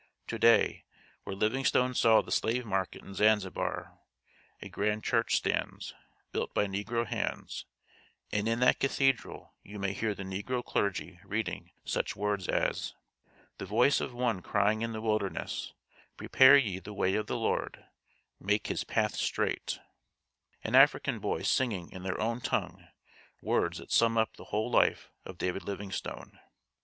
To day, where Livingstone saw the slave market in Zanzibar, a grand church stands, built by negro hands, and in that cathedral you may hear the negro clergy reading such words as "The voice of one crying in the wilderness, Prepare ye the way of the Lord, Make His paths straight," and African boys singing in their own tongue words that sum up the whole life of David Livingstone.